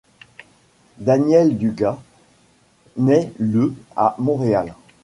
Daniel Dugas naît le à Montréal.